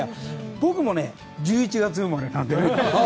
僕も１１月生まれなんでね。